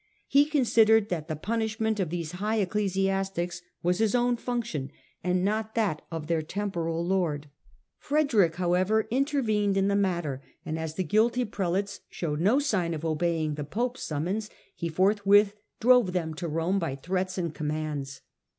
He considered that the punishment of these high ecclesiastics was his own function and not that of their temporal lord. Frederick, THE REBELLIOUS SON 141 however, intervened in the matter, and as the guilty Prelates showed no sign of obeying the Pope's summons, he forthwith drove them to Rome by threats and com mands.